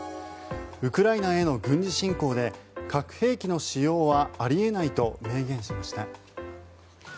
ウクライナへの軍事侵攻で核兵器の使用はあり得ないと明言しました。